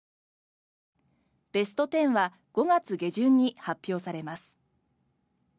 ベスト１０は５月下旬に発表されます。